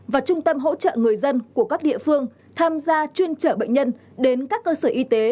và trung tâm hỗ trợ người dân của các địa phương tham gia chuyên trở bệnh nhân đến các cơ sở y tế